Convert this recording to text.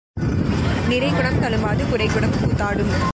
நிறை குடம் தளும்பாது, குறைகுடம் கூத்தாடும்.